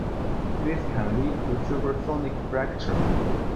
This can lead to supersonic fracture.